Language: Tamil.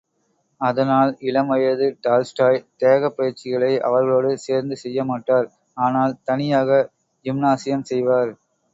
அதனால், இளம் வயது டால்ஸ்டாய் தேகப் பயிற்சிகளை அவர்களோடு சேர்ந்து செய்யமாட்டார் ஆனால், தனியாக ஜிம்னாசியம் செய்வார்.